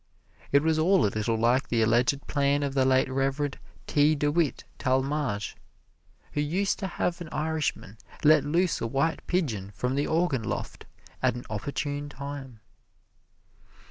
It was all a little like the alleged plan of the late Reverend T. DeWitt Talmage, who used to have an Irishman let loose a white pigeon from the organ loft at an opportune time.